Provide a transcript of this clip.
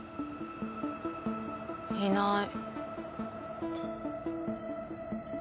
いない。